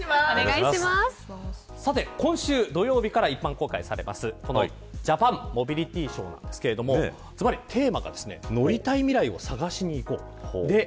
さて今週土曜日から一般公開されますジャパンモビリティショーですがずばり、テーマが乗りたい未来を、探しに行こうです。